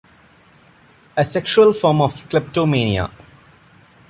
A sexual form of kleptomania.